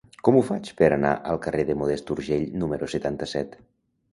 Com ho faig per anar al carrer de Modest Urgell número setanta-set?